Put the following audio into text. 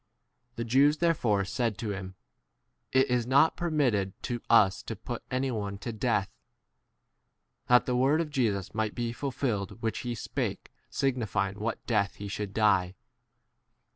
The Jews therefore said to him, It is not permitted to 32 us to put any one to death ; that the word of Jesus might be ful filled which he spake signifying 33 what death he should die.